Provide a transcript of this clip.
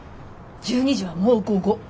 １２時はもう午後。